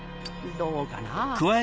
どうかな？